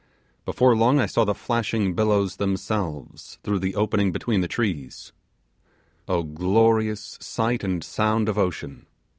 Before long I saw the flashing billows themselves through the opening between the trees. Oh glorious sight and sound of ocean!